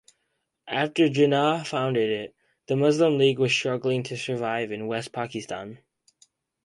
After Jinnah founded it, the Muslim League was struggling to survive in West-Pakistan.